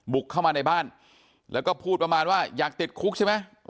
เข้ามาในบ้านแล้วก็พูดประมาณว่าอยากติดคุกใช่ไหม